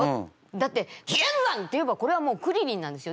だって「気円斬」って言えばこれはもうクリリンなんですよ。